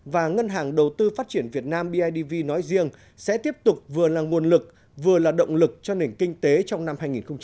và ngân hàng đầu tư phát triển việt nam bidv nói riêng sẽ tiếp tục vừa là nguồn lực vừa là động lực cho nền kinh tế trong năm hai nghìn hai mươi